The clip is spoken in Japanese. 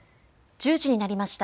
１０時になりました。